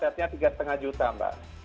nah frame setnya tiga lima juta mbak